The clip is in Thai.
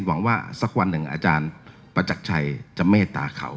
หวังว่าสักวันหนึ่งอาจารย์ประจักรชัยจะเมตตาเขา